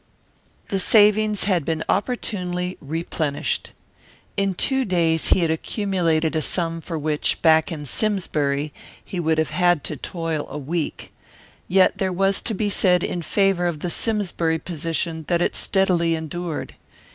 The savings had been opportunely replenished. In two days he had accumulated a sum for which, back in Simsbury, he would have had to toil a week. Yet there was to be said in favour of the Simsbury position that it steadily endured.